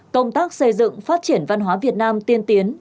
công tác xây dựng phát triển văn hóa việt nam tiên tiến